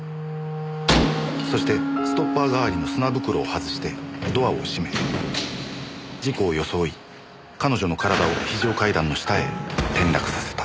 そしてストッパー代わりの砂袋を外してドアを閉め事故を装い彼女の体を非常階段の下へ転落させた。